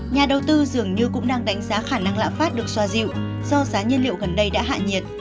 nhà đầu tư dường như cũng đang đánh giá khả năng lãng phát được xoa dịu do giá nhiên liệu gần đây đã hạ nhiệt